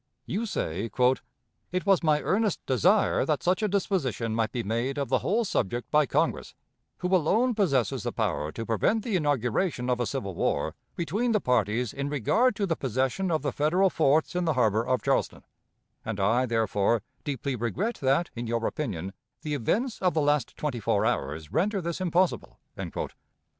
You say, "It was my earnest desire that such a disposition might be made of the whole subject by Congress, who alone possesses the power to prevent the inauguration of a civil war between the parties in regard to the possession of the Federal forts in the harbor of Charleston; and I, therefore, deeply regret that, in your opinion, 'the events of the last twenty four hours render this impossible.'"